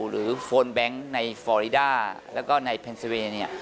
หรือโฟนแบงค์ในฟอริดาและก็ในเพนซิวาเนีย